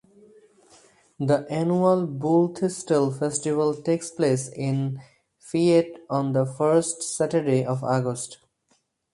The annual Bullthistle Festival takes place in Fayette on the first Saturday of August.